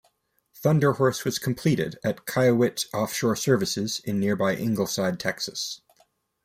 Thunder Horse was completed at Kiewit Offshore Services in nearby Ingleside, Texas.